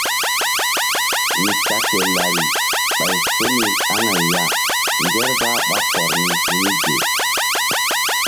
Mi ta ke lari ɓay so ni aŋay ya ngerzah ɓá kɔr ni hi̧ mi ge.